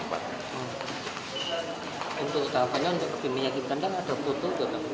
untuk tahapannya untuk diminyakinkan kan ada foto